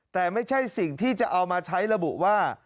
แต่ไม่ใช่สิ่งที่จะเอามาใช้ระบุว่า